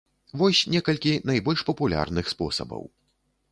Вось некалькі найбольш папулярных спосабаў.